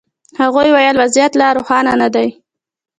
هغوی ویل وضعیت لا روښانه نه دی.